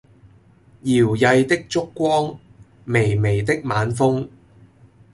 搖曳的燭光、微微的晚風